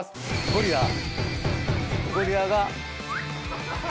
ゴリラが。